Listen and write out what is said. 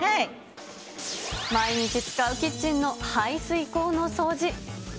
毎日使うキッチンの排水口の掃除。